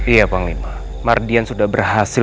iya panglima mardian sudah berhasil